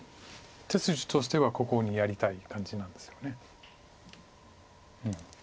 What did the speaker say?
手筋としてはここにやりたい感じなんですよね。